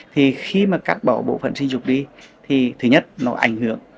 thì khi mà cắt bỏ bộ phận sinh dục đi thì thứ nhất nó ảnh hưởng